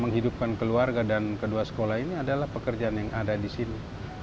menghidupkan keluarga dan kedua sekolah ini adalah pekerjaan yang ada di sini